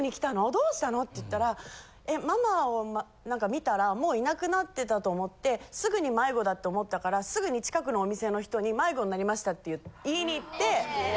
どうしたの？」って言ったら「ママを見たらもういなくなってたと思ってすぐに迷子だって思ったからすぐに近くのお店の人に迷子になりました」って言いに行って。